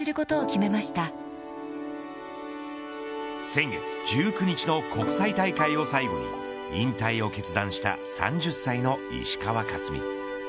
先月１９日の国際大会を最後に引退を決断した３０歳の石川佳純。